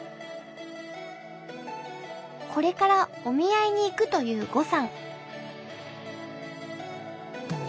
これからお見合いに行くという呉さん。